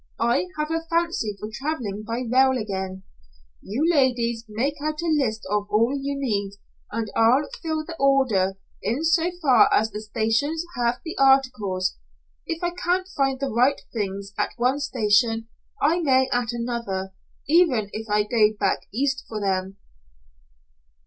I have a fancy for traveling by rail again. You ladies make out a list of all you need, and I'll fill the order, in so far as the stations have the articles. If I can't find the right things at one station, I may at another, even if I go back East for them."